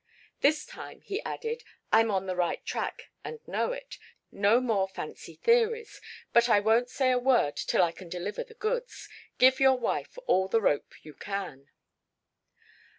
"This time," he added, "I'm on the right track and know it. No more fancy theories. But I won't say a word till I can deliver the goods. Give your wife all the rope you can."